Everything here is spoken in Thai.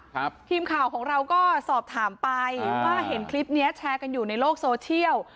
ทีมข่าวของเราก็สอบถามไปว่าเห็นคลิปเนี้ยแชร์กันอยู่ในโลกโซเชียล